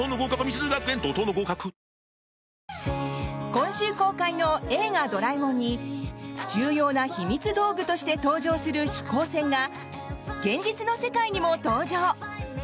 今週公開の「映画ドラえもん」に重要なひみつ道具として登場する飛行船が現実の世界にも登場。